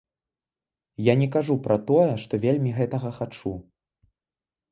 Я не кажу пра тое, што вельмі гэтага хачу.